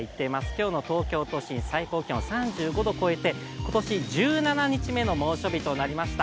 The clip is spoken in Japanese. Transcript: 今日の東京都心、最高気温３５度を超えて、今年１７日目の猛暑日となりました